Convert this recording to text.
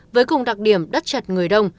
với cùng đặc điểm đất chật người đông